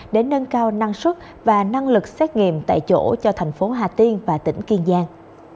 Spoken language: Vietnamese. để nâng cao năng suất và năng lực xét nghiệm tại chỗ cho thành phố hà tiên và tỉnh kiên giang